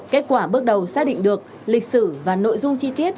kết quả bước đầu xác định được lịch sử và nội dung chi tiết